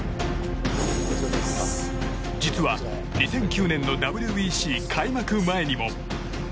実は２００９年のＷＢＣ開幕前にも。